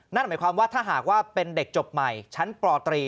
นั่นหมายความว่าถ้าหากว่าเป็นเด็กจบใหม่ชั้นปตรี